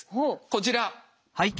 こちら。